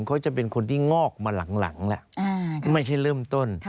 เขาจะเป็นคนที่งอกมาหลังแล้วไม่ใช่เริ่มต้น